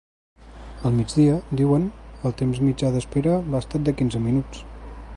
Al migdia, diuen, el temps mitjà d’espera ha estat de quinze minuts.